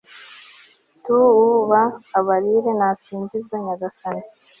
tu-u-ba-abarire, nasingizwe nyagasani